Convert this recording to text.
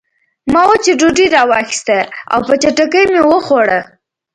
ما وچه ډوډۍ راواخیسته او په چټکۍ مې وخوړه